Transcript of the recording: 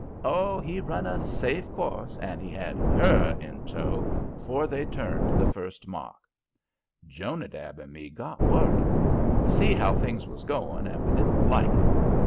Oh, he run a safe course, and he had HER in tow afore they turned the first mark. Jonadab and me got worried. We see how things was going, and we didn't like it.